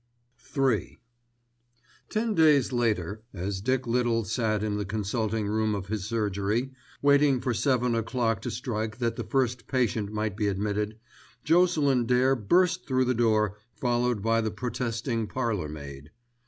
*III* Ten days later as Dick Little sat in the consulting room of his surgery, waiting for seven o'clock to strike that the first patient might be admitted, Jocelyn Dare burst through the door followed by the protesting parlour maid.